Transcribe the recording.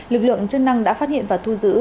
lực lượng chức năng đã phát hiện và thu giữ